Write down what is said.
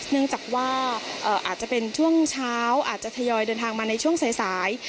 เนื่องจากว่าอาจจะเป็นช่วงเช้าอาจจะทยอยเดินทางมาในช่วงสาย